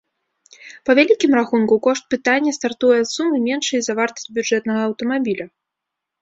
Па вялікім рахунку, кошт пытання стартуе ад сумы, меншай за вартасць бюджэтнага аўтамабіля.